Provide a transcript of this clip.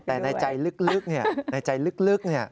แต่ในใจลึกเนี่ยในใจลึกเนี่ย